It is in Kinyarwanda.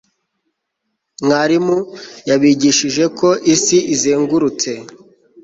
mwarimu yabigishije ko isi izengurutse